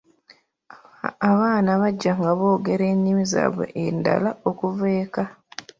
Abaana bajja nga boogera ennimi zaabwe endala okuva eka.